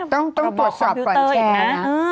ต้องปวดสอบก่อนแชร์อันนะ